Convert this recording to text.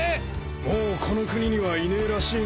もうこの国にはいねえらしいが。